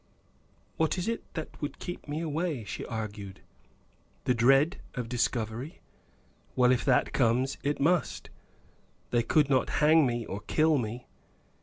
"What is it that would keep me away?" she argued. "The dread of discovery? Well if that comes it must; they could not hang me or kill me.